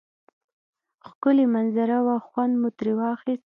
ښکلی منظره وه خوند مو تری واخیست